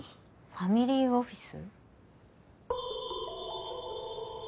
ファミリーオフィス？